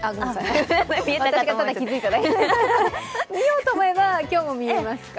見ようと思えば今日も見えますか？